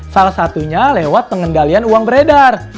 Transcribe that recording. salah satunya lewat pengendalian uang beredar